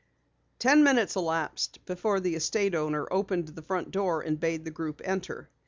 Ten minutes elapsed before the estate owner opened the front door and bade the group enter.